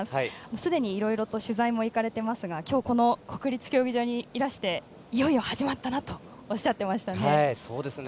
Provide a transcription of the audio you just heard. すでに、いろいろと取材も行かれてますが今日この国立競技場にいらしていよいよ始まったなとおっしゃっていましたね。